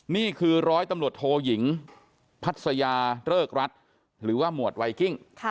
นี่คือร้อยตำรวจโทยิงพัศยาเริกรัฐหรือว่าหมวดไวกิ้ง